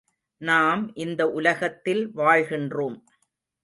நாம் இந்த உலகத்தில் வாழ்கின்றோம்.